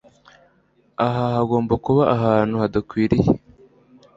Aha hagomba kuba ahantu hadakwiye